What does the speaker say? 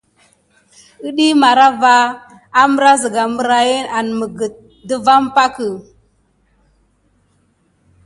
Iɗiy màrava ambra zəga mbrayin an məget dəga səka məfiga ha gape gawla.